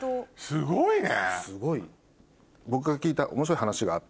すごいね。